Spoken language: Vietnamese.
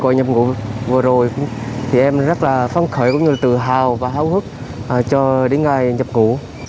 gọi nhập ngũ vừa rồi thì em rất là phong khởi tự hào và hào hức cho đến ngày nhập ngũ